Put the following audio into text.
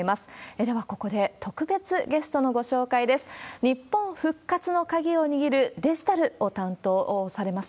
ではここで、特別ゲストのご紹介です。